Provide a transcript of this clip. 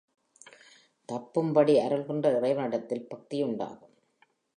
தப்பும்படி அருள்கின்ற இறைவனிடத்தில் பக்தி உண்டாகும்.